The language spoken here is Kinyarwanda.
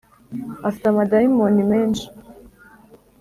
Afite amadayimoni menshi